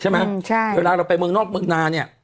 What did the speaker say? เวลาเราไปเมืองนอกเมืองนาเนี่ย